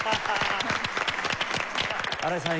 荒井さん